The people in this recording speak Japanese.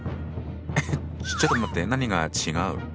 えっちょっと待って何か違う！